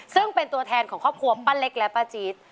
ซึ่งเป็นตัวแทนของครอบครัวป้าเล็กและป้าจี๊ด